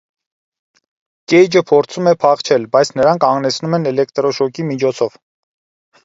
Կեյջը փորձում է փախչել, բայց նրան կանգնեցնում են էլեկտրոշոկի միջոցով։